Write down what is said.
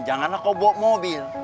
janganlah kau bawa mobil